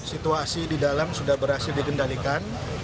situasi di dalam sudah berhasil dikendalikan